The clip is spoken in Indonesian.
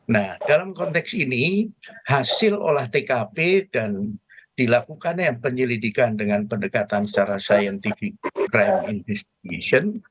nah dalam konteks ini hasil olah tkp dan dilakukannya penyelidikan dengan pendekatan secara scientific crime investigation